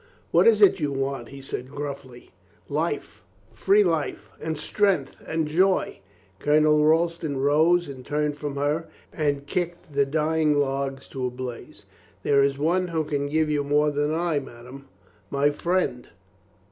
"What is it you want?" he said gruffly. "Life ... free life and strength and joy." Colonel Royston rose and turned from her and kicked the dying logs to a blaze. "There is one who can give you more than I, madame. My friend."